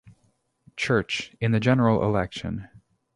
Church, in the general election.